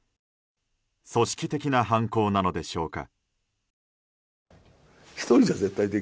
組織的な犯行なのでしょうか。